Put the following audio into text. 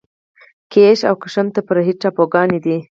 کیش او قشم تفریحي ټاپوګان دي.